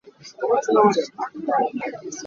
Lungtekep kha na ka in hmawm hna hlah.